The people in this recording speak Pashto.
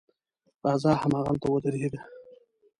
راځه هغلته ودرېږه.